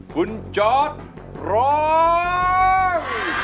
คุณจอร์ดร้อง